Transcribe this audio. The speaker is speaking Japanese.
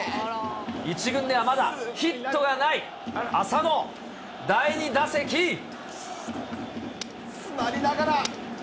１軍ではまだヒットがない浅野、詰まりながら。